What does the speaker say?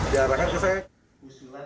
diarahkan ke saya